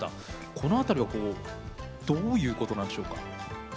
このあたりはどういうことなんでしょうか？